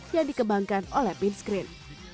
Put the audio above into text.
yang dikembangkan oleh pinscreen